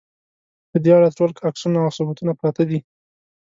په دې اړه ټول عکسونه او ثبوتونه پراته دي.